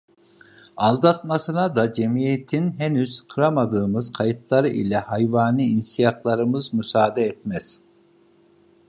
Aldatmasına da cemiyetin henüz kıramadığımız kayıtları ile hayvani insiyaklarımız müsaade etmez…